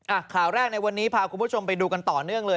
ข่าวแรกในวันนี้พาคุณผู้ชมไปดูกันต่อเนื่องเลย